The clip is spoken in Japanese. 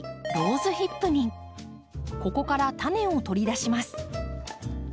ここからタネを取り出します。